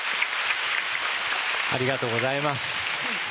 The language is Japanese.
ありがとうございます。